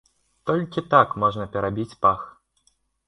Толькі так можна перабіць пах.